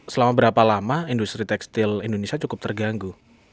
selama berapa lama industri tekstil indonesia cukup terganggu